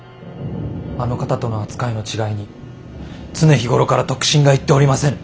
あの方との扱いの違いに常日頃から得心がいっておりませぬ。